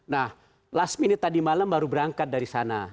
nah last minute tadi malam baru berangkat dari sana